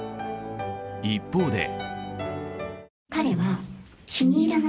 一方で。